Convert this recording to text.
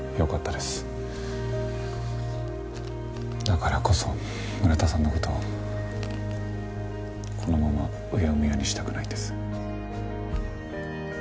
だからこそ村田さんの事このままうやむやにしたくないんです。